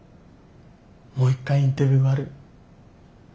もう一回インタビューある。